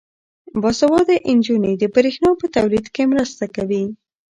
باسواده نجونې د برښنا په تولید کې مرسته کوي.